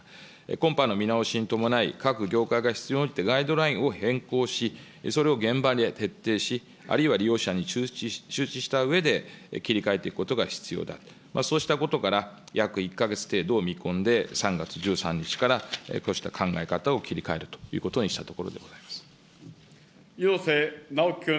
今般の見直しに伴い、各業界が必要に応じてガイドラインを変更し、それを現場で徹底し、あるいは利用者に周知したうえで、切り替えていくことが必要である、そうしたことから、約１か月程度を見込んで、３月１３日からこうした考え方を切り替えるということにしたとこ猪瀬直樹君。